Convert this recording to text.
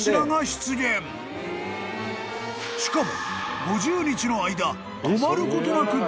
［しかも］